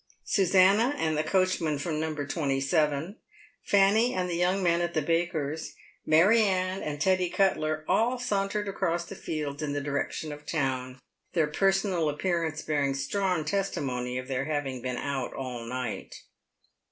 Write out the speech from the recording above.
Susannah and the coachman from No. 27 ; Fanny and the young man at the baker's; Mary Anne and Teddy Cuttler, all sauntered across the fields in the direction of town, their personal appearance bearing strong testimony of their having been out all night.